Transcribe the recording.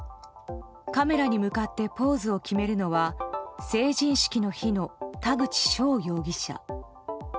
カメラに向かってポーズを決めるのは成人式の日の田口翔容疑者。